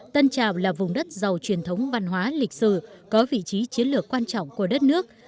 tân trào là vùng đất giàu truyền thống văn hóa lịch sử có vị trí chiến lược quan trọng của đất nước